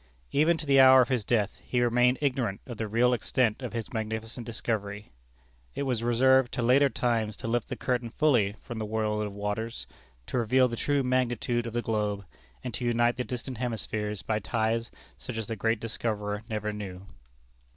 Even to the hour of his death, he remained ignorant of the real extent of his magnificent discovery. It was reserved to later times to lift the curtain fully from the world of waters; to reveal the true magnitude of the globe; and to unite the distant hemispheres by ties such as the great discoverer never knew.